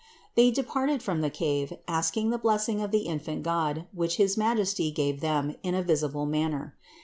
589. They departed from the cave, asking the blessing of the infant God, which his Majesty gave them in a visi ble manner.